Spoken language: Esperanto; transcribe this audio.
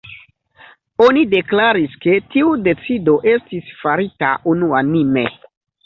Oni deklaris, ke tiu decido estis farita unuanime.